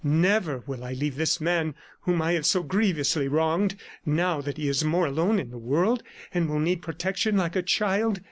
Never will I leave this man whom I have so grievously wronged, now that he is more alone in the world and will need protection like a child.